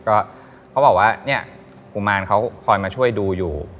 ก็เขาบอกว่าเนี่ยกุมารเขาคอยมาช่วยดูอยู่